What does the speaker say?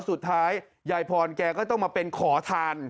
สุดท้ายยายพรแกก็ต้องมาเป็นขอทาน